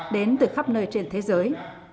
đến từ khắp nơi trên thế giới